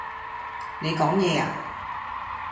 你講野呀